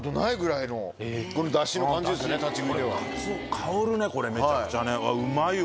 香るねこれめちゃくちゃねうまいわ。